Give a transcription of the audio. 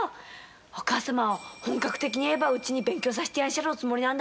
お母様は本格的に絵ばうちに勉強させてやんしゃるおつもりなんだもん。